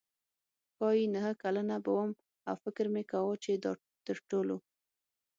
ښايي نهه کلنه به وم او فکر مې کاوه چې دا تر ټولو.